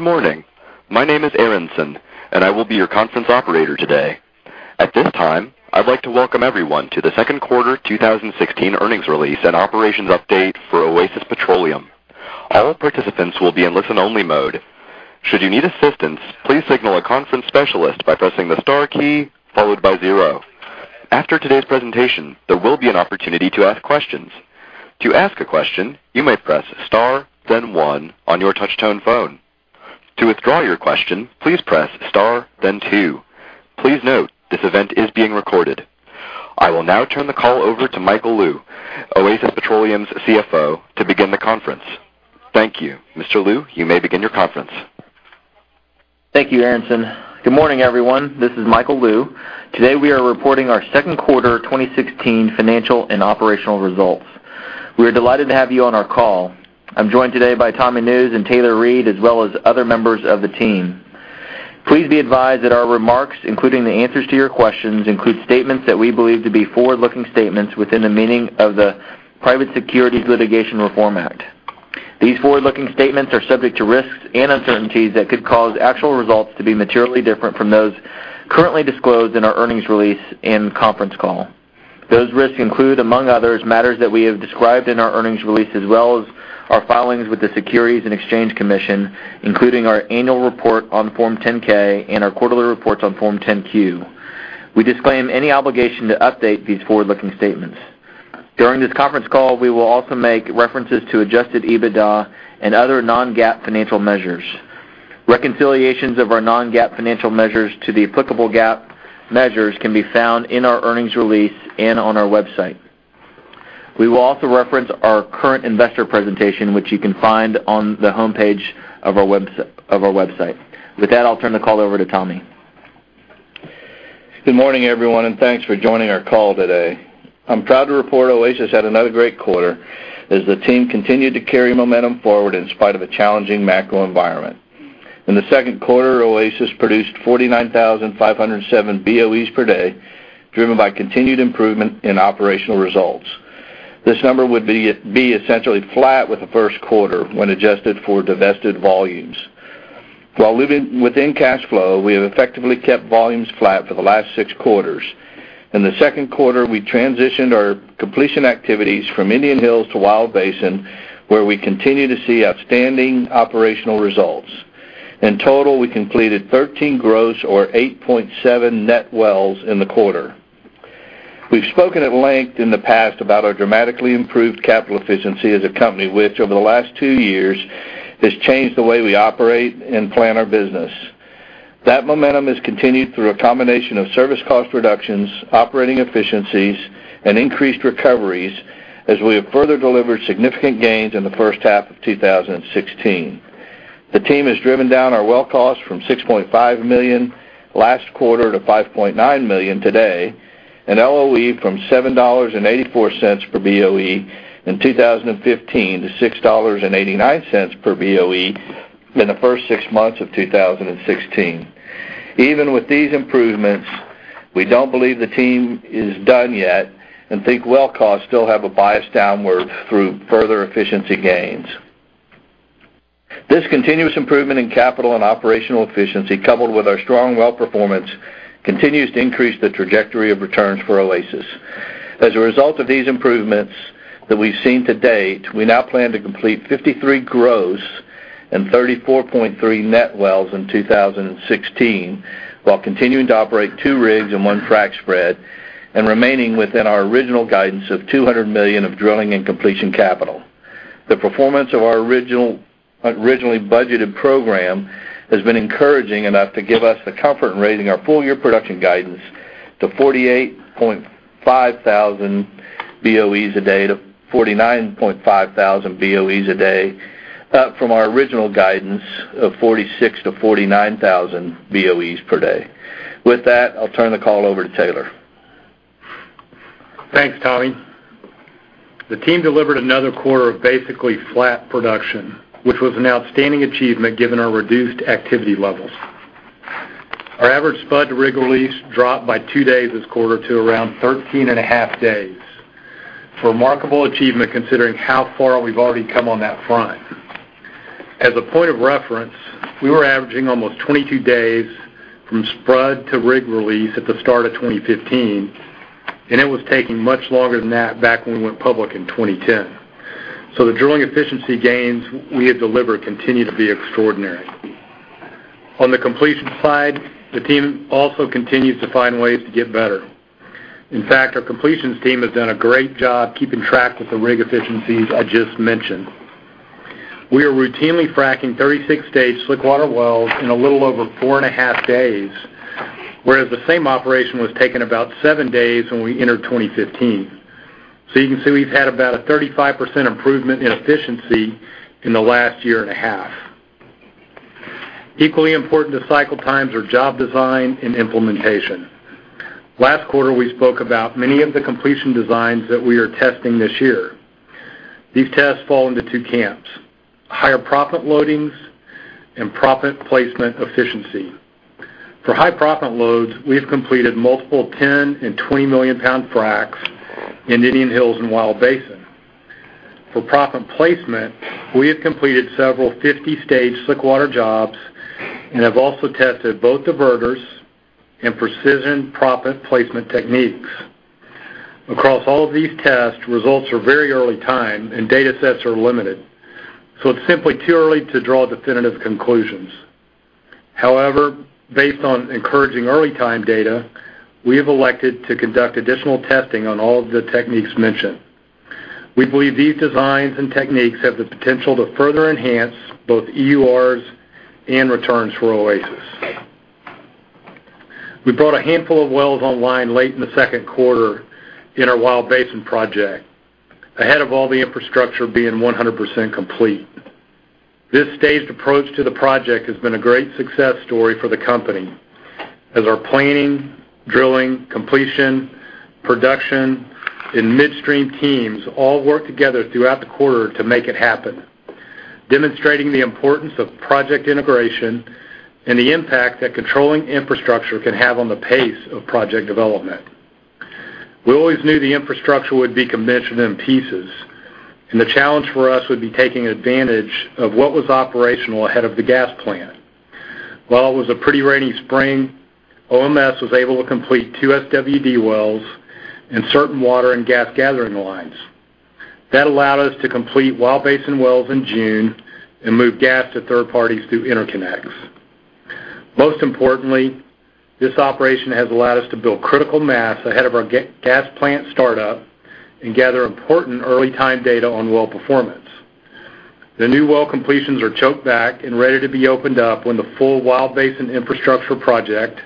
Good morning. My name is Aronson, and I will be your conference operator today. At this time, I would like to welcome everyone to the second quarter 2016 earnings release and operations update for Oasis Petroleum. All participants will be in listen-only mode. Should you need assistance, please signal a conference specialist by pressing the star key followed by zero. After today's presentation, there will be an opportunity to ask questions. To ask a question, you may press star then one on your touch tone phone. To withdraw your question, please press star then two. Please note, this event is being recorded. I will now turn the call over to Michael Lou, Oasis Petroleum's CFO, to begin the conference. Thank you. Mr. Lou, you may begin your conference. Thank you, Aronson. Good morning, everyone. This is Michael Lou. Today, we are reporting our second quarter 2016 financial and operational results. We are delighted to have you on our call. I am joined today by Tommy Nusz and Taylor Reid, as well as other members of the team. Please be advised that our remarks, including the answers to your questions, include statements that we believe to be forward-looking statements within the meaning of the Private Securities Litigation Reform Act. These forward-looking statements are subject to risks and uncertainties that could cause actual results to be materially different from those currently disclosed in our earnings release and conference call. Those risks include, among others, matters that we have described in our earnings release, as well as our filings with the Securities and Exchange Commission, including our annual report on Form 10-K and our quarterly reports on Form 10-Q. We disclaim any obligation to update these forward-looking statements. During this conference call, we will also make references to adjusted EBITDA and other non-GAAP financial measures. Reconciliations of our non-GAAP financial measures to the applicable GAAP measures can be found in our earnings release and on our website. We will also reference our current investor presentation, which you can find on the homepage of our website. With that, I will turn the call over to Tommy. Good morning, everyone, and thanks for joining our call today. I am proud to report Oasis had another great quarter as the team continued to carry momentum forward in spite of a challenging macro environment. In the second quarter, Oasis produced 49,507 BOEs per day, driven by continued improvement in operational results. This number would be essentially flat with the first quarter when adjusted for divested volumes. While living within cash flow, we have effectively kept volumes flat for the last six quarters. In the second quarter, we transitioned our completion activities from Indian Hills to Wild Basin, where we continue to see outstanding operational results. In total, we completed 13 gross or 8.7 net wells in the quarter. We have spoken at length in the past about our dramatically improved capital efficiency as a company, which over the last two years has changed the way we operate and plan our business. That momentum has continued through a combination of service cost reductions, operating efficiencies, and increased recoveries as we have further delivered significant gains in the first half of 2016. The team has driven down our well costs from $6.5 million last quarter to $5.9 million today and LOE from $7.84 per BOE in 2015 to $6.89 per BOE in the first six months of 2016. Even with these improvements, we don't believe the team is done yet and think well costs still have a bias downward through further efficiency gains. This continuous improvement in capital and operational efficiency, coupled with our strong well performance, continues to increase the trajectory of returns for Oasis. As a result of these improvements that we've seen to date, we now plan to complete 53 gross and 34.3 net wells in 2016 while continuing to operate two rigs and one frac spread and remaining within our original guidance of $200 million of drilling and completion capital. The performance of our originally budgeted program has been encouraging enough to give us the comfort in raising our full-year production guidance to 48.5 thousand BOEs a day to 49.5 thousand BOEs a day, up from our original guidance of 46 to 49 thousand BOEs per day. With that, I'll turn the call over to Taylor. Thanks, Tommy. The team delivered another quarter of basically flat production, which was an outstanding achievement given our reduced activity levels. Our average spud to rig release dropped by two days this quarter to around 13 and a half days. It's a remarkable achievement considering how far we've already come on that front. As a point of reference, we were averaging almost 22 days from spud to rig release at the start of 2015, and it was taking much longer than that back when we went public in 2010. The drilling efficiency gains we have delivered continue to be extraordinary. On the completion side, the team also continues to find ways to get better. In fact, our completions team has done a great job keeping track with the rig efficiencies I just mentioned. We are routinely fracking 36-stage slickwater wells in a little over four and a half days, whereas the same operation was taking about seven days when we entered 2015. You can see we've had about a 35% improvement in efficiency in the last year and a half. Equally important to cycle times are job design and implementation. Last quarter, we spoke about many of the completion designs that we are testing this year. These tests fall into two camps, higher proppant loadings and proppant placement efficiency. For high proppant loads, we have completed multiple 10 and 20 million pound fracs in Indian Hills and Wild Basin. For proppant placement, we have completed several 50-stage slickwater jobs and have also tested both diverters and precision proppant placement techniques. Across all of these tests, results are very early time and data sets are limited. It's simply too early to draw definitive conclusions. However, based on encouraging early time data, we have elected to conduct additional testing on all of the techniques mentioned. We believe these designs and techniques have the potential to further enhance both EURs and returns for Oasis. We brought a handful of wells online late in the second quarter in our Wild Basin project, ahead of all the infrastructure being 100% complete. This staged approach to the project has been a great success story for the company, as our planning, drilling, completion, production, and midstream teams all worked together throughout the quarter to make it happen, demonstrating the importance of project integration and the impact that controlling infrastructure can have on the pace of project development. We always knew the infrastructure would be commissioned in pieces. The challenge for us would be taking advantage of what was operational ahead of the gas plant. While it was a pretty rainy spring, OMS was able to complete 2 SWD wells and certain water and gas gathering lines. That allowed us to complete Wild Basin wells in June and move gas to third parties through interconnects. Most importantly, this operation has allowed us to build critical mass ahead of our gas plant startup and gather important early-time data on well performance. The new well completions are choked back and ready to be opened up when the full Wild Basin infrastructure project,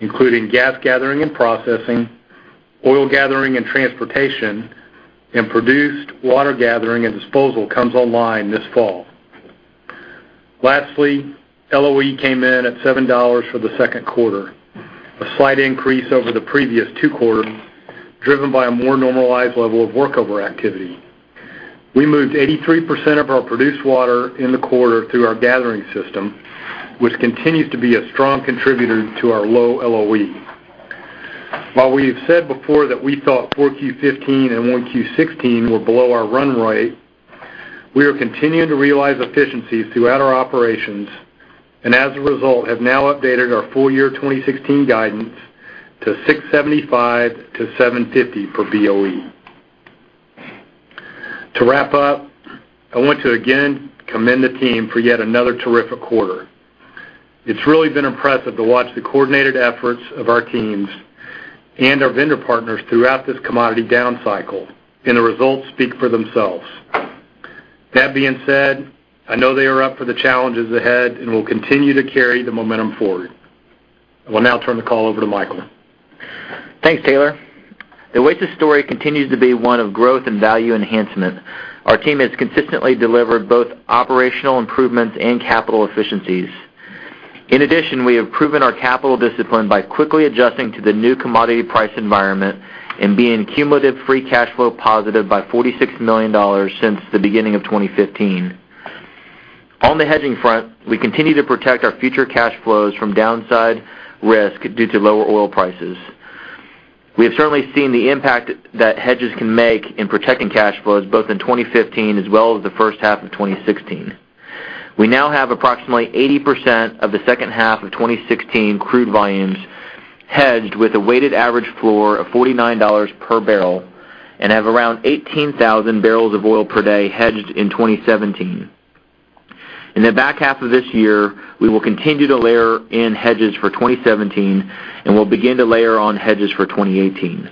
including gas gathering and processing, oil gathering and transportation, and produced water gathering and disposal, comes online this fall. Lastly, LOE came in at $7 for the second quarter, a slight increase over the previous two quarters, driven by a more normalized level of workover activity. We moved 83% of our produced water in the quarter through our gathering system, which continues to be a strong contributor to our low LOE. While we have said before that we thought 4Q 2015 and 1Q 2016 were below our run rate, we are continuing to realize efficiencies throughout our operations and as a result have now updated our full year 2016 guidance to $6.75 to $7.50 per BOE. To wrap up, I want to again commend the team for yet another terrific quarter. It's really been impressive to watch the coordinated efforts of our teams and our vendor partners throughout this commodity down cycle. The results speak for themselves. That being said, I know they are up for the challenges ahead and will continue to carry the momentum forward. I will now turn the call over to Michael. Thanks, Taylor. The Oasis story continues to be one of growth and value enhancement. Our team has consistently delivered both operational improvements and capital efficiencies. In addition, we have proven our capital discipline by quickly adjusting to the new commodity price environment and being cumulative free cash flow positive by $46 million since the beginning of 2015. On the hedging front, we continue to protect our future cash flows from downside risk due to lower oil prices. We have certainly seen the impact that hedges can make in protecting cash flows both in 2015 as well as the first half of 2016. We now have approximately 80% of the second half of 2016 crude volumes hedged with a weighted average floor of $49 per barrel and have around 18,000 barrels of oil per day hedged in 2017. In the back half of this year, we will continue to layer in hedges for 2017 and will begin to layer on hedges for 2018.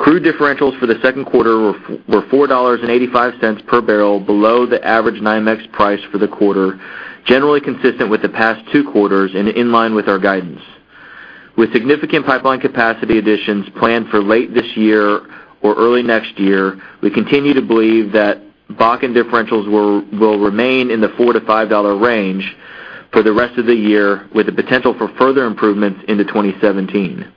Crude differentials for the second quarter were $4.85 per barrel below the average NYMEX price for the quarter, generally consistent with the past two quarters and in line with our guidance. With significant pipeline capacity additions planned for late this year or early next year, we continue to believe that Bakken differentials will remain in the $4 to $5 range for the rest of the year, with the potential for further improvements into 2017.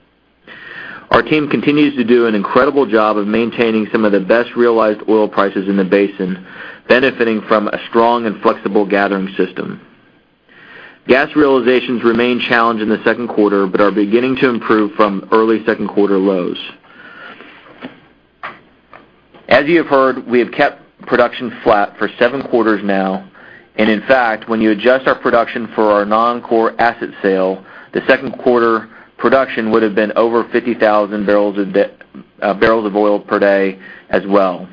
Our team continues to do an incredible job of maintaining some of the best realized oil prices in the basin, benefiting from a strong and flexible gathering system. Gas realizations remained challenged in the second quarter but are beginning to improve from early second quarter lows. As you have heard, we have kept production flat for seven quarters now and in fact, when you adjust our production for our non-core asset sale, the second quarter production would have been over 50,000 barrels of oil per day as well.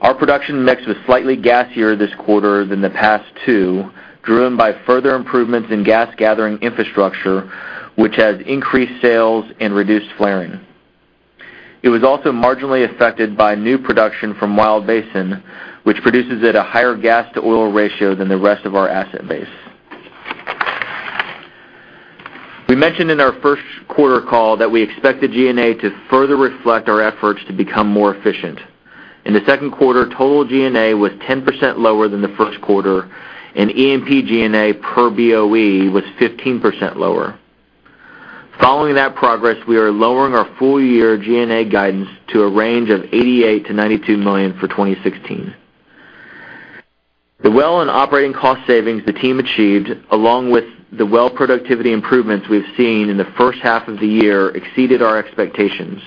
Our production mix was slightly gassier this quarter than the past two, driven by further improvements in gas gathering infrastructure, which has increased sales and reduced flaring. It was also marginally affected by new production from Wild Basin, which produces at a higher gas-to-oil ratio than the rest of our asset base. We mentioned in our first quarter call that we expected G&A to further reflect our efforts to become more efficient. In the second quarter, total G&A was 10% lower than the first quarter, and E&P G&A per BOE was 15% lower. Following that progress, we are lowering our full year G&A guidance to a range of $88 million to $92 million for 2016. The well and operating cost savings the team achieved, along with the well productivity improvements we've seen in the first half of the year, exceeded our expectations.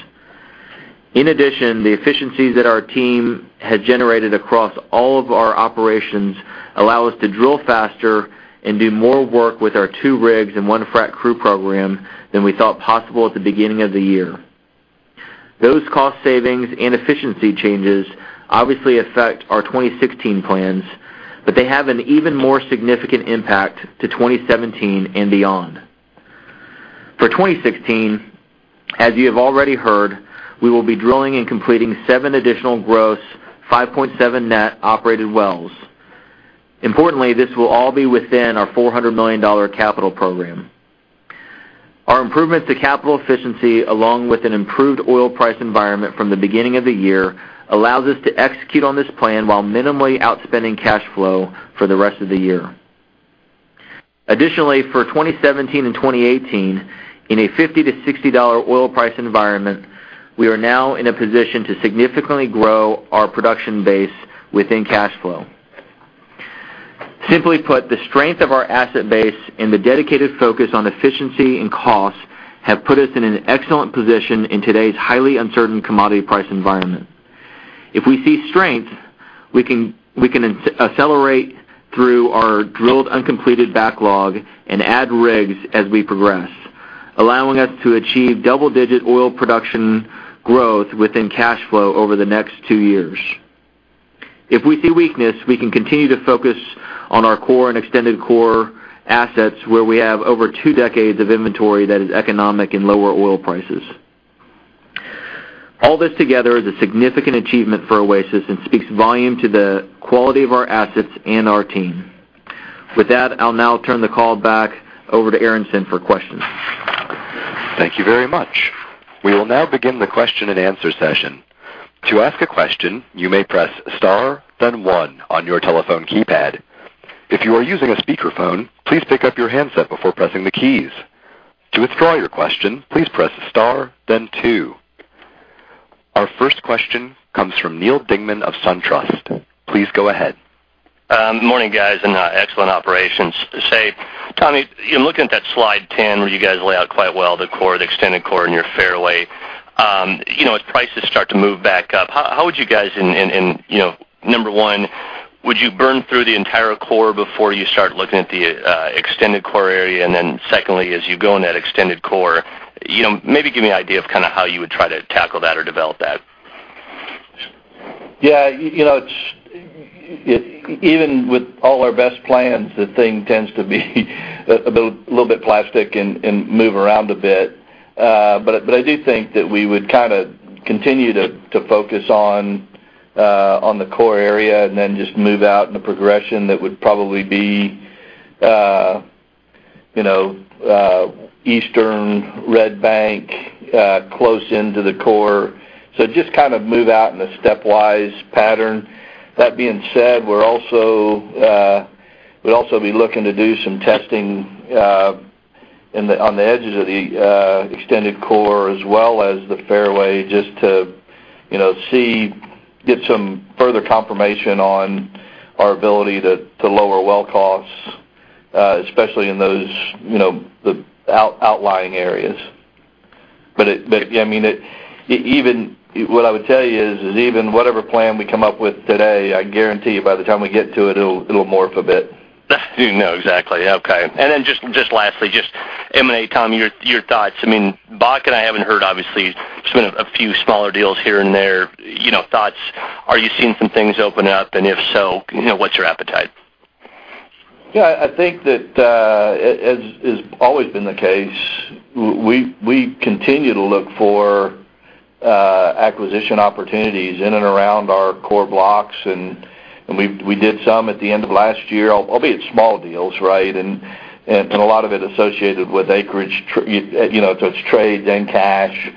In addition, the efficiencies that our team had generated across all of our operations allow us to drill faster and do more work with our two rigs and one frac crew program than we thought possible at the beginning of the year. Those cost savings and efficiency changes obviously affect our 2016 plans, but they have an even more significant impact to 2017 and beyond. For 2016, as you have already heard, we will be drilling and completing seven additional gross, 5.7 net operated wells. Importantly, this will all be within our $400 million capital program. Our improvements to capital efficiency, along with an improved oil price environment from the beginning of the year, allows us to execute on this plan while minimally outspending cash flow for the rest of the year. Additionally, for 2017 and 2018, in a $50-$60 oil price environment, we are now in a position to significantly grow our production base within cash flow. Simply put, the strength of our asset base and the dedicated focus on efficiency and cost have put us in an excellent position in today's highly uncertain commodity price environment. If we see strength, we can accelerate through our drilled uncompleted backlog and add rigs as we progress, allowing us to achieve double-digit oil production growth within cash flow over the next two years. If we see weakness, we can continue to focus on our core and extended core assets, where we have over two decades of inventory that is economic in lower oil prices. All this together is a significant achievement for Oasis and speaks volume to the quality of our assets and our team. With that, I'll now turn the call back over to Aronson for questions. Thank you very much. We will now begin the question and answer session. To ask a question, you may press star, then one on your telephone keypad. If you are using a speakerphone, please pick up your handset before pressing the keys. To withdraw your question, please press star, then two. Our first question comes from Neal Dingmann of SunTrust. Please go ahead. Morning, guys. Excellent operations. Tommy, looking at that slide 10, where you guys lay out quite well the core, the extended core, and your fairway. As prices start to move back up, how would you guys in, number one, would you burn through the entire core before you start looking at the extended core area? Secondly, as you go in that extended core, maybe give me an idea of how you would try to tackle that or develop that. Yeah. Even with all our best plans, the thing tends to be a little bit plastic and move around a bit. I do think that we would continue to focus on the core area and then just move out in a progression that would probably be Eastern Red Bank, close into the core. Just move out in a stepwise pattern. That being said, we'd also be looking to do some testing on the edges of the extended core as well as the fairway, just to get some further confirmation on our ability to lower well costs, especially in those outlying areas. What I would tell you is, even whatever plan we come up with today, I guarantee you by the time we get to it'll morph a bit. No, exactly. Okay. Just lastly, M&A, Tommy, your thoughts. Bakken I haven't heard, obviously. There's been a few smaller deals here and there. Thoughts? Are you seeing some things open up? If so, what's your appetite? Yeah, I think that, as has always been the case, we continue to look for acquisition opportunities in and around our core blocks, we did some at the end of last year, albeit small deals, right? A lot of it associated with acreage, so it's trade, then cash.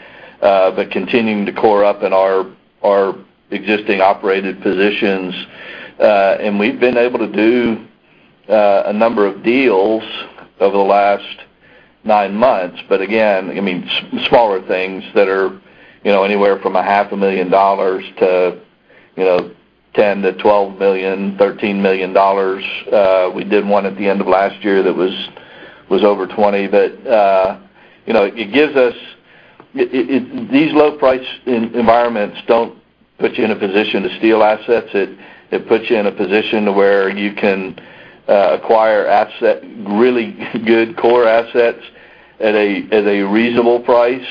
Continuing to core up in our existing operated positions. We've been able to do a number of deals over the last nine months, but again, smaller things that are anywhere from a half a million dollars to $10 million-$12 million, $13 million. We did one at the end of last year that was over $20 million. These low price environments don't put you in a position to steal assets. It puts you in a position to where you can acquire really good core assets at a reasonable price.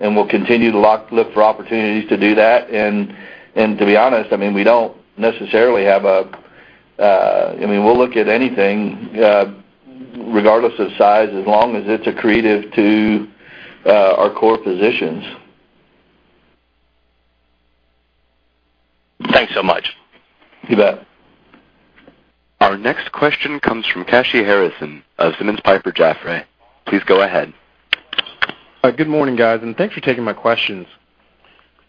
We'll continue to look for opportunities to do that. To be honest, we'll look at anything, regardless of size, as long as it's accretive to our core positions. Thanks so much. You bet. Our next question comes from Kashy Harrison of Simmons Piper Jaffray. Please go ahead. Good morning, guys, thanks for taking my questions.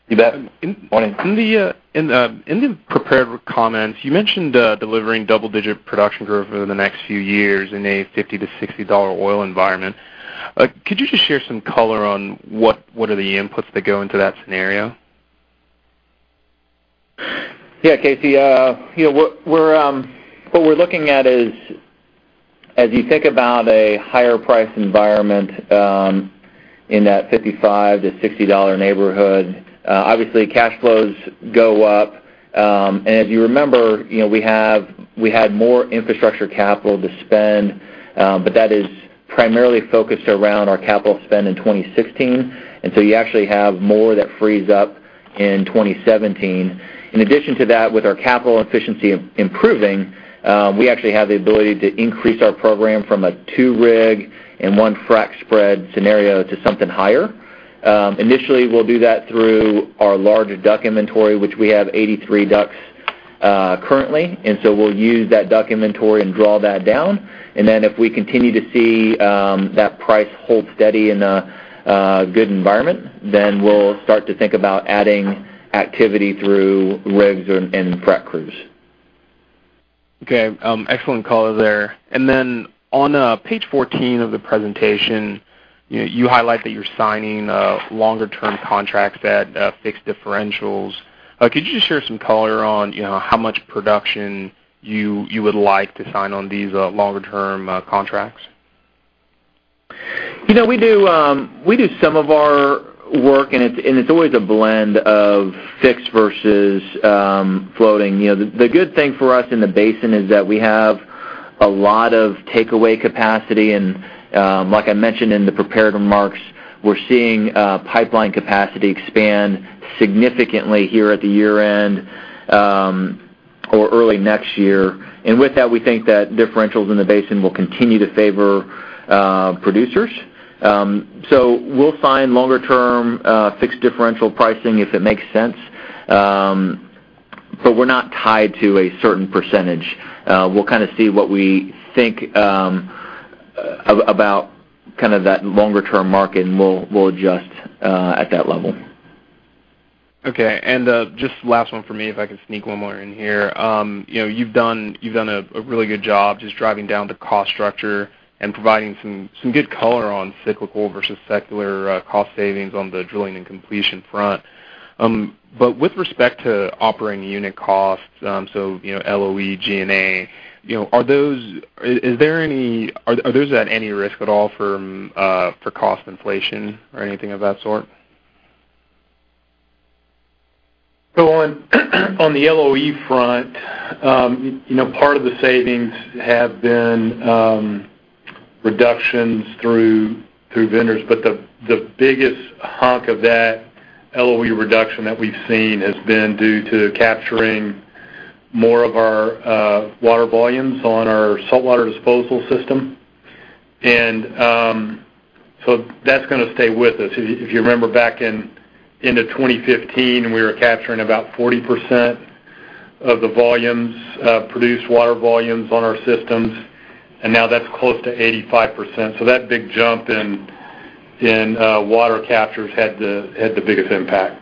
You bet. Morning. In the prepared comments, you mentioned delivering double-digit production growth over the next few years in a $50 to $60 oil environment. Could you just share some color on what are the inputs that go into that scenario? Yeah, Kashy. What we're looking at is, as you think about a higher price environment in that $55 to $60 neighborhood, obviously cash flows go up. If you remember, we had more infrastructure capital to spend, but that is primarily focused around our capital spend in 2016. You actually have more that frees up in 2017. In addition to that, with our capital efficiency improving, we actually have the ability to increase our program from a 2-rig and 1-frac-spread scenario to something higher. Initially, we'll do that through our larger DUC inventory, which we have 83 DUCs currently. We'll use that DUC inventory and draw that down. If we continue to see that price hold steady in a good environment, we'll start to think about adding activity through rigs and frac crews. Okay. Excellent color there. On page 14 of the presentation, you highlight that you're signing longer-term contracts at fixed differentials. Could you just share some color on how much production you would like to sign on these longer-term contracts? We do some of our work. It's always a blend of fixed versus floating. The good thing for us in the basin is that we have a lot of takeaway capacity and, like I mentioned in the prepared remarks, we're seeing pipeline capacity expand significantly here at the year-end or early next year. With that, we think that differentials in the basin will continue to favor producers. We'll sign longer-term fixed differential pricing if it makes sense. We're not tied to a certain percentage. We'll see what we think about that longer-term market. We'll adjust at that level. Okay. Just last one for me, if I could sneak one more in here. You've done a really good job just driving down the cost structure and providing some good color on cyclical versus secular cost savings on the drilling and completion front. With respect to operating unit costs, so LOE, G&A, are those at any risk at all for cost inflation or anything of that sort? On the LOE front, part of the savings have been reductions through vendors. The biggest hunk of that LOE reduction that we've seen has been due to capturing more of our water volumes on our saltwater disposal system. That's going to stay with us. If you remember back in 2015, we were capturing about 40% of the produced water volumes on our systems, and now that's close to 85%. That big jump in water captures had the biggest impact.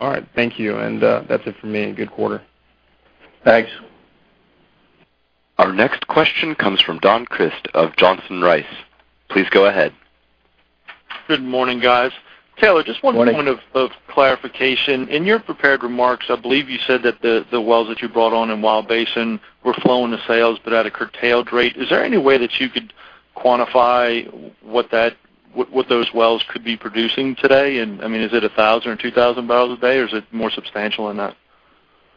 All right. Thank you. That's it for me. Good quarter. Thanks. Our next question comes from Don Crist of Johnson Rice. Please go ahead. Good morning, guys. Morning. Taylor, just one point of clarification. In your prepared remarks, I believe you said that the wells that you brought on in Williston Basin were flowing to sales but at a curtailed rate. Is there any way that you could quantify what those wells could be producing today? Is it 1,000 or 2,000 barrels a day or is it more substantial than that?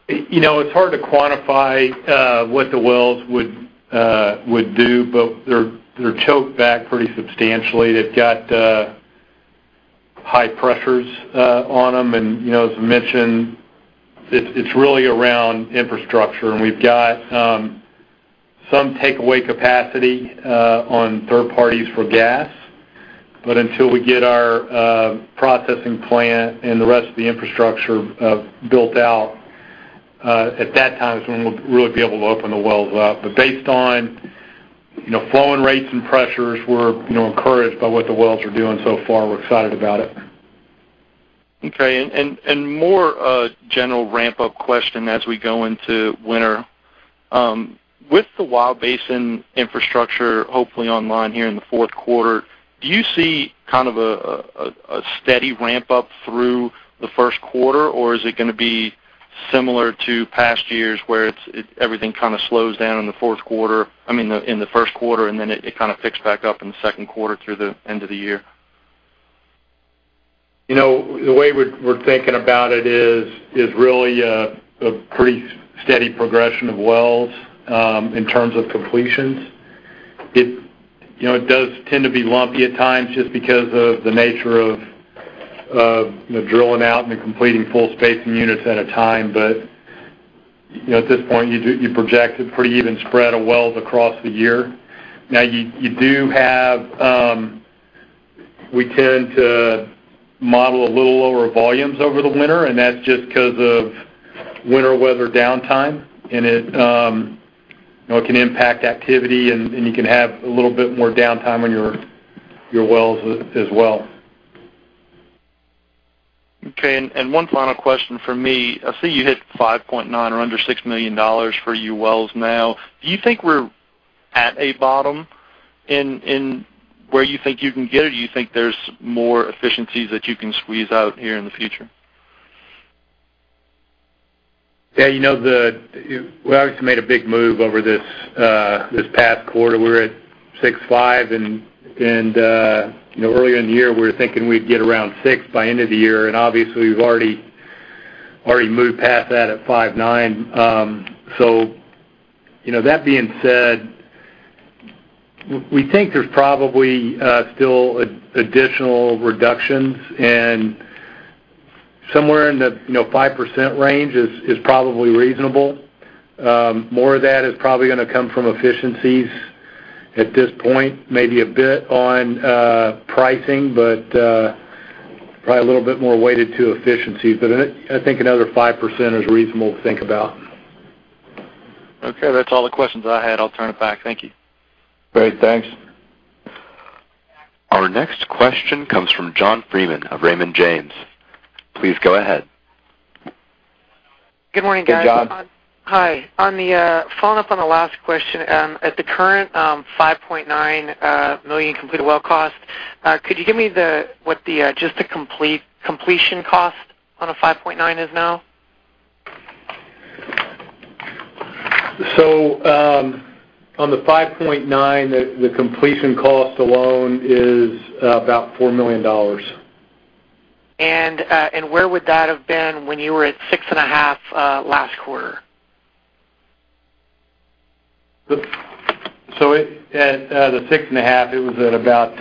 It's hard to quantify what the wells would do, but they're choked back pretty substantially. They've got high pressures on them and as mentioned, it's really around infrastructure, and we've got some takeaway capacity on third parties for gas. Until we get our processing plant and the rest of the infrastructure built out, at that time is when we'll really be able to open the wells up. Based on flowing rates and pressures, we're encouraged by what the wells are doing so far. We're excited about it. Okay. More general ramp-up question as we go into winter. With the Wild Basin infrastructure hopefully online here in the fourth quarter, do you see a steady ramp-up through the first quarter, or is it going to be similar to past years, where everything slows down in the first quarter and then it picks back up in the second quarter through the end of the year? The way we're thinking about it is really a pretty steady progression of wells in terms of completions. It does tend to be lumpy at times just because of the nature of drilling out and completing full spacing units at a time. At this point, you project a pretty even spread of wells across the year. We tend to model a little lower volumes over the winter, and that's just because of winter weather downtime. And it can impact activity, and you can have a little bit more downtime on your wells as well. Okay. One final question from me. I see you hit 5.9 or under $6 million for your wells now. Do you think we're at a bottom in where you think you can get it, or do you think there's more efficiencies that you can squeeze out here in the future? Yeah, we obviously made a big move over this past quarter. We're at 6.5, and earlier in the year, we were thinking we'd get around six by end of the year, and obviously, we've already moved past that at 5.9. That being said, we think there's probably still additional reductions, and somewhere in the 5% range is probably reasonable. More of that is probably going to come from efficiencies at this point, maybe a bit on pricing, but probably a little bit more weighted to efficiency. I think another 5% is reasonable to think about. Okay. That's all the questions I had. I'll turn it back. Thank you. Great. Thanks. Our next question comes from John Freeman of Raymond James. Please go ahead. Good morning, guys. Hey, John. Hi. Following up on the last question, at the current $5.9 million completed well cost, could you give me what just the completion cost on a $5.9 is now? On the $5.9, the completion cost alone is about $4 million. Where would that have been when you were at six and a half last quarter? At the 6.5, it was at about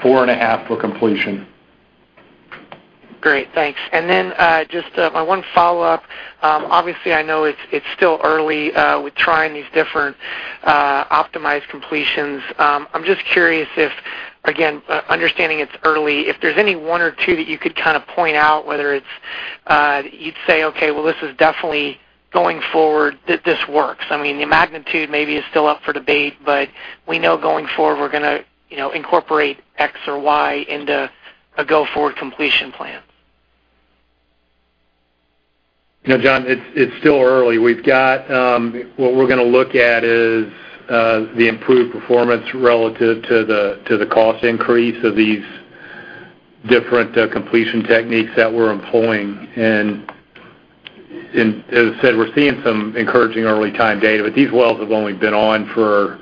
4.5 for completion. Great, thanks. Then, just my one follow-up. Obviously, I know it's still early with trying these different optimized completions. I'm just curious if, again, understanding it's early, if there's any one or two that you could point out whether it's, you'd say, "Okay, well, this is definitely going forward, that this works." The magnitude maybe is still up for debate, but we know going forward we're going to incorporate X or Y into a go-forward completion plan. John, it's still early. What we're going to look at is the improved performance relative to the cost increase of these different completion techniques that we're employing. As I said, we're seeing some encouraging early time data, but these wells have only been on for,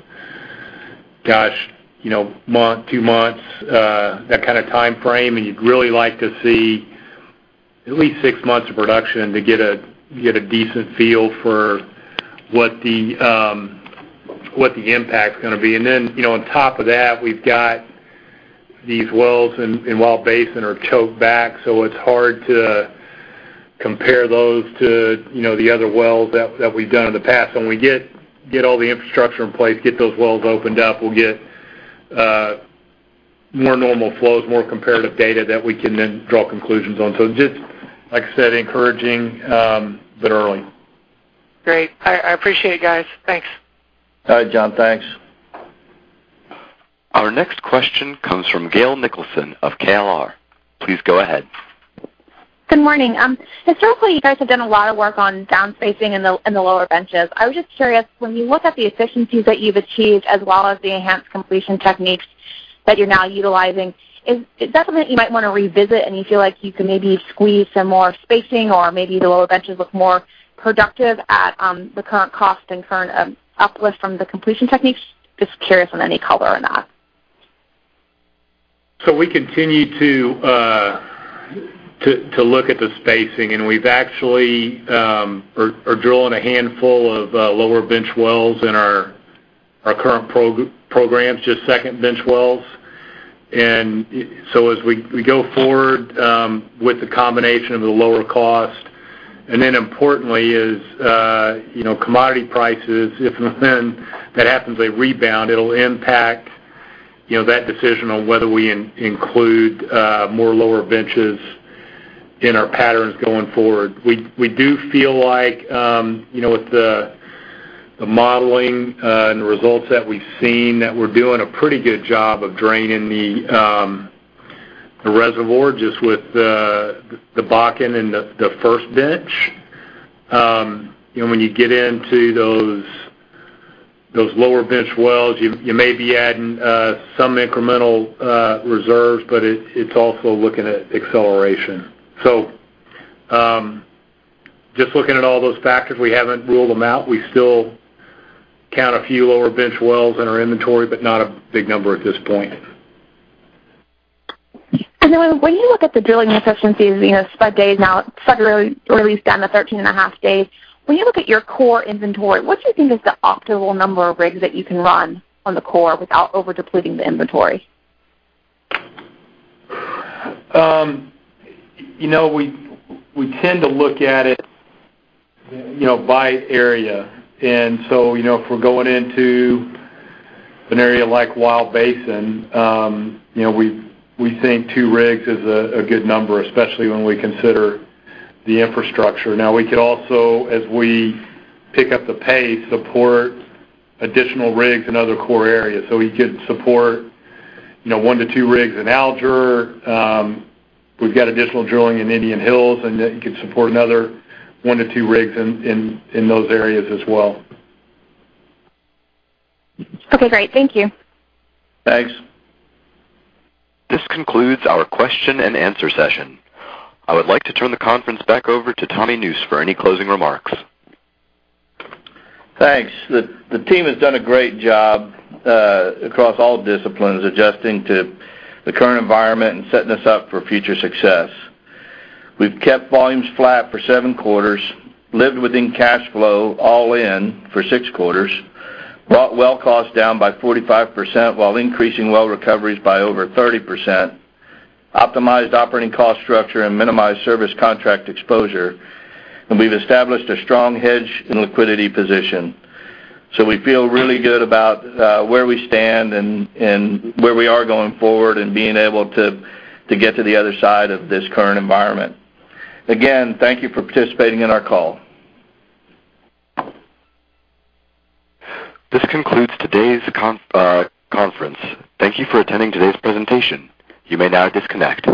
gosh, a month, two months, that kind of timeframe, and you'd really like to see at least six months of production to get a decent feel for what the impact's going to be. Then, on top of that, we've got these wells in Williston Basin are choked back, so it's hard to compare those to the other wells that we've done in the past. When we get all the infrastructure in place, get those wells opened up, we'll get more normal flows, more comparative data that we can then draw conclusions on. Just, like I said, encouraging, but early. Great. I appreciate it, guys. Thanks. All right, John. Thanks. Our next question comes from Gail Nicholson of KLR. Please go ahead. Good morning. Historically, you guys have done a lot of work on down-spacing in the lower benches. I was just curious, when you look at the efficiencies that you've achieved as well as the enhanced completion techniques that you're now utilizing, is that something that you might want to revisit and you feel like you can maybe squeeze some more spacing or maybe the lower benches look more productive at the current cost and current uplift from the completion techniques? Just curious on any color on that. We continue to look at the spacing, and we've actually are drilling a handful of lower bench wells in our current programs, just second bench wells. As we go forward with the combination of the lower cost, and then importantly is commodity prices. If and when that happens, a rebound, it'll impact that decision on whether we include more lower benches in our patterns going forward. We do feel like, with the modeling and the results that we've seen, that we're doing a pretty good job of draining the reservoir just with the Bakken and the first bench. When you get into those lower bench wells, you may be adding some incremental reserves, but it's also looking at acceleration. Just looking at all those factors, we haven't ruled them out. We still count a few lower bench wells in our inventory, but not a big number at this point. When you look at the drilling efficiencies, spud to rig release down to 13 and a half days. When you look at your core inventory, what do you think is the optimal number of rigs that you can run on the core without over-depleting the inventory? We tend to look at it by area. If we're going into an area like Williston Basin, we think 2 rigs is a good number, especially when we consider the infrastructure. Now, we could also, as we pick up the pace, support additional rigs in other core areas. We could support 1-2 rigs in Alger. We've got additional drilling in Indian Hills, and that could support another 1-2 rigs in those areas as well. Okay, great. Thank you. Thanks. This concludes our question and answer session. I would like to turn the conference back over to Tommy Nusz for any closing remarks. Thanks. The team has done a great job across all disciplines, adjusting to the current environment and setting us up for future success. We've kept volumes flat for seven quarters, lived within cash flow all in for six quarters, brought well cost down by 45% while increasing well recoveries by over 30%, optimized operating cost structure, and minimized service contract exposure. We've established a strong hedge and liquidity position. We feel really good about where we stand and where we are going forward and being able to get to the other side of this current environment. Again, thank you for participating in our call. This concludes today's conference. Thank you for attending today's presentation. You may now disconnect.